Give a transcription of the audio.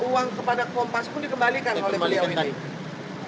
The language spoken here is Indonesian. uang kepada kompas pun dikembalikan oleh beliau ini